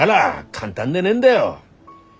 簡単でねえんだよ